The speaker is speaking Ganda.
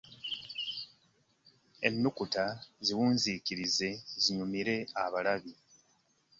Ennukuta ziwuunziikirize zinyumire abalabi.